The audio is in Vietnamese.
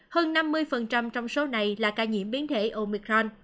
hơn năm mươi trong số này là ca nhiễm biến thể omicron